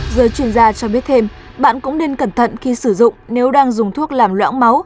giới chuyên gia cho biết thêm bạn cũng nên cẩn thận khi sử dụng nếu đang dùng thuốc làm loãng máu